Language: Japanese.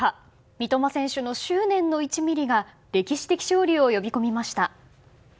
三笘選手の執念の１ｍｍが歴史的勝利を呼び込みました。